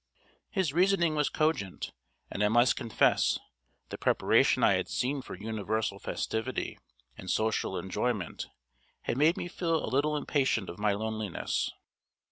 His reasoning was cogent; and I must confess the preparation I had seen for universal festivity and social enjoyment had made me feel a little impatient of my loneliness.